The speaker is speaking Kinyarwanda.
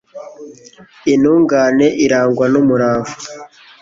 intungane irangwa n'umurava